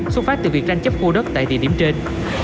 xuất phát từ việc ranh chấp khô đất tại địa điểm trên